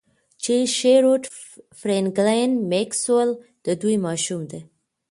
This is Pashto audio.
چې شیروډ فرینکلین میکسویل د دوی ماشوم دی